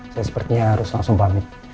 saya sepertinya harus langsung pamit